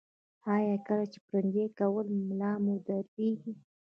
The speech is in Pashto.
ایا کله چې پرنجی کوئ ملا مو دردیږي؟